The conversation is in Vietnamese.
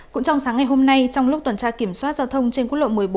cũng trong sáng ngày hôm nay trong lúc tuần tra kiểm soát giao thông trên quốc lộ một mươi bốn